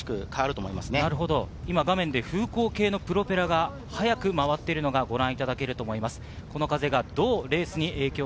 後半、順位が目ま風向のプロペラが早く回っているのがご確認いただけると思います。